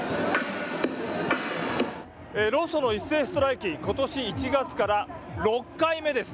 労組の一斉ストライキ、ことし１月から６回目です。